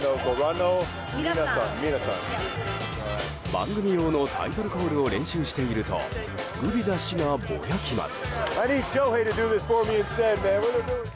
番組用のタイトルコールを練習しているとグビザ氏がぼやきます。